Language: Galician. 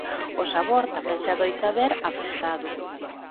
O sabor tamén se adoita ver afectado.